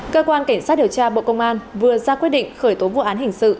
cơ quan cảnh sát điều tra bộ công an vừa ra quyết định khởi tố vụ án hình sự